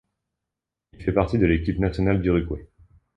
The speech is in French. Il fait partie de l'équipe nationale d'Uruguay.